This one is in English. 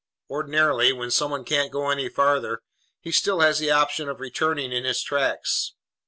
Ordinarily, when someone can't go any farther, he still has the option of returning in his tracks.